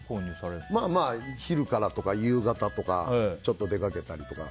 昼からとか夕方とかちょっと出かけたりとか。